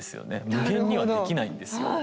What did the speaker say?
無限にはできないんですよ。